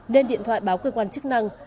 nên điện thoại báo cơ quan chức năng